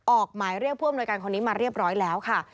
ออกหมายเรียกผู้อำนวยการคนนี้มาเรียบร้อยแล้วค่ะ